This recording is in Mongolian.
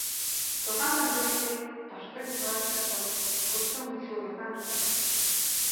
Дулаан дамжуулалтыг тортог хязгаарладаг тул бохирдсон хөдөлгүүр удаан халдаг.